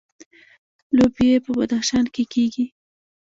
لوبیې په بدخشان کې کیږي